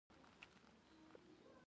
پوهنتونونه دي نړیوالې څېړنې خپرې کړي.